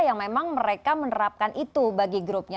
yang memang mereka menerapkan itu bagi grupnya